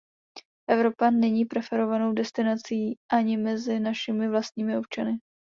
Evropa není preferovanou destinací ani mezi našimi vlastními občany.